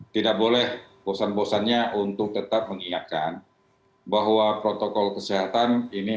tidak boleh bosan bosannya untuk tetap mengingatkan bahwa protokol kesehatan ini